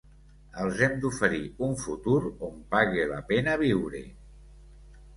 Els hem d’oferir un futur on pague la pena viure.